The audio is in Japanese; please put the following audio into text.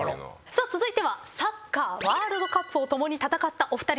さあ続いてはサッカーワールドカップを共に戦ったお二人です。